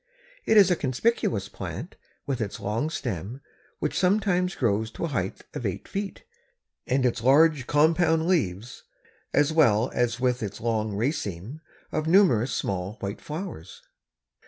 It is a conspicuous plant, with its long stem, which sometimes grows to a height of eight feet, and its large compound leaves, as well as with its long raceme of numerous small white flowers.